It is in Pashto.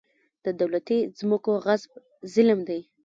د دولتي ځمکو غصب ظلم دی.